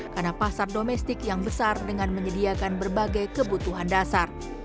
karena pasar domestik yang besar dengan menyediakan berbagai kebutuhan dasar